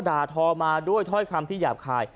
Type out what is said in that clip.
ด่าทอมาด้วยถ้อยคำที่หยาบคาย